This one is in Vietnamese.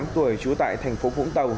năm mươi tám tuổi trú tại thành phố vũng tàu